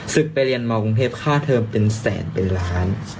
ไปเรียนมกรุงเทพค่าเทอมเป็นแสนเป็นล้าน